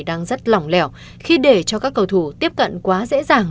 đang rất lỏng lẻo khi để cho các cầu thủ tiếp cận quá dễ dàng